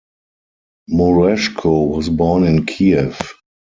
Murashko was born in Kiev.